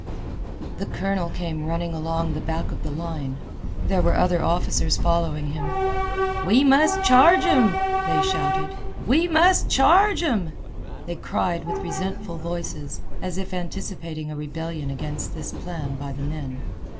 The colonel came running along the back of the line. There were other officers following him. "We must charge 'm!" they shouted. "We must charge 'm!" they cried with resentful voices, as if anticipating a rebellion against this plan by the men.